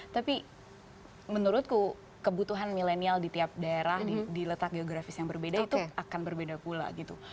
tapi menurutku kebutuhan milenial di tiap daerah di letak geografis yang berbeda itu akan berbeda pula gitu